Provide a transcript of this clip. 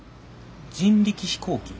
人力飛行機？